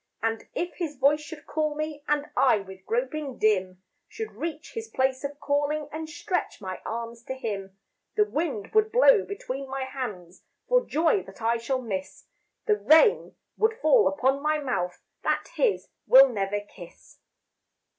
And if his voice should call me And I with groping dim Should reach his place of calling And stretch my arms to him, The wind would blow between my hands For Joy that I shall miss, The rain would fall upon my mouth That his will never kiss.